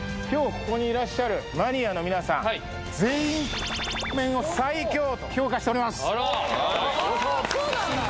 ここにいらっしゃるマニアの皆さんと評価しております